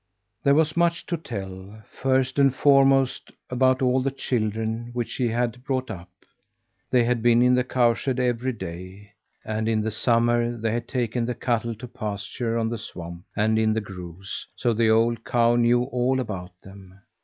There was much to tell, first and foremost, about all the children which she had brought up. They had been in the cowshed every day, and in the summer they had taken the cattle to pasture on the swamp and in the groves, so the old cow knew all about them.